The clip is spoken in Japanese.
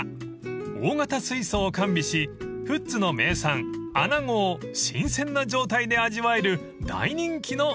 ［大型水槽を完備し富津の名産穴子を新鮮な状態で味わえる大人気のお店です］